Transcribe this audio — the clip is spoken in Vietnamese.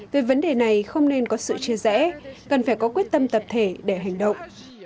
về vấn đề này không nên có sự chia rẽ cần phải có quyết tâm tập thể để hành động